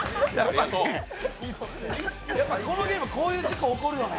やっぱ、このゲームこういう事故起こるよね。